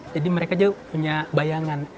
jadi mereka juga punya bayangan